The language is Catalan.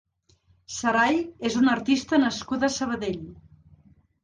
Sarai és una artista nascuda a Sabadell.